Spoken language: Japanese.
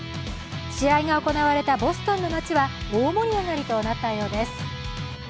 試合が行われたボストンの街は大盛り上がりとなったようです。